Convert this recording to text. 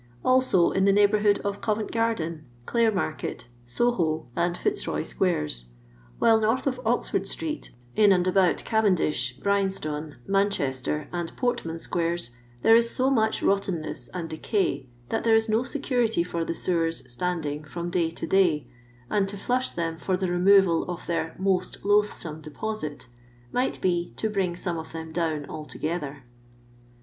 Also in the neighbourhood of Govent garden, Clare market, Soho and Fitzroy squares ; while north of Oxford street, in and about Cavendish, Bryanstone, Manchester, and Portman squares, there is so much rottenness and decay that there is no security for the sewers standing from day to day, and to flush them for the removal of their "most loathsome deposit" might be "to bring some of them down alto ge&er."